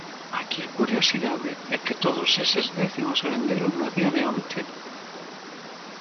Aquí a curiosidade é que todos eses décimos se venderon no día de onte.